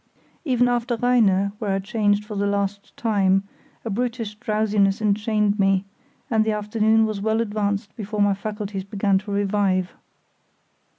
Even after Rheine, where I changed for the last time, a brutish drowsiness enchained me, and the afternoon was well advanced before my faculties began to revive.